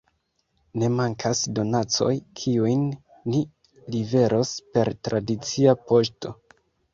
Ne mankas donacoj, kiujn ni liveros per tradicia poŝto.